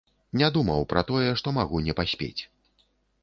Не думаў пра тое, што магу не паспець.